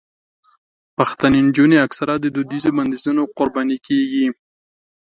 پښتنې نجونې اکثره د دودیزو بندیزونو قرباني کېږي.